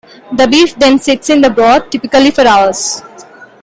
The beef then sits in the broth, typically for hours.